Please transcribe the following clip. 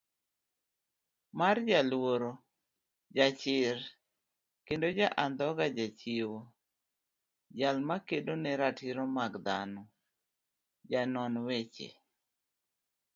marJaluoro, jachir, kendoja andhoga Jachiwo, jalmakedo neratiro mag dhano, janon weche